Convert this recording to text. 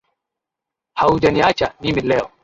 Haujaniacha mimi leo.